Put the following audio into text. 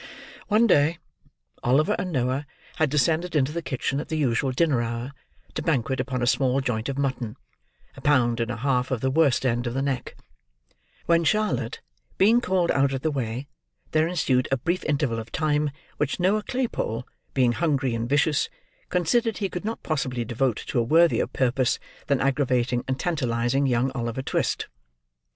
One day, Oliver and Noah had descended into the kitchen at the usual dinner hour, to banquet upon a small joint of mutton—a pound and a half of the worst end of the neck—when Charlotte being called out of the way, there ensued a brief interval of time, which Noah Claypole, being hungry and vicious, considered he could not possibly devote to a worthier purpose than aggravating and tantalising young Oliver Twist.